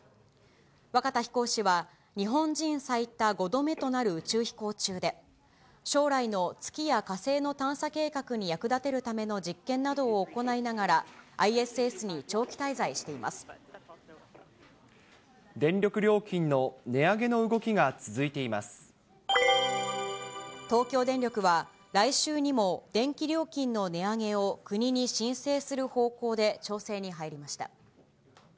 若田飛行士は、日本人最多５度目となる宇宙飛行中で、将来の月や火星の探査計画に役立てるための実験などを行いながら、電力料金の値上げの動きが続東京電力は、来週にも電気料金の値上げを国に申請する方向で、調整に入りました。